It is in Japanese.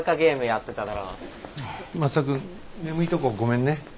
松田君眠いとこごめんね。